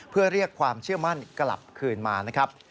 เพื่อเรียกความเชื่อมั่นกลับคืนมานะครับ